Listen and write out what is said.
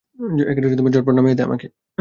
ঝটপট নামিয়ে দে আমাকে!